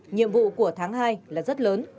nhiệm vụ của tháng hai là rất lớn